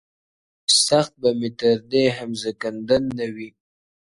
سخت به مي تر دې هم زنکدن نه وي ,